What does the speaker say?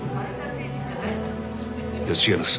いや違います。